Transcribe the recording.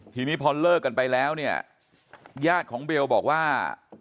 ทีนี้พอเลิกกันไปแล้วเนี่ยญาติของเบลบอกว่า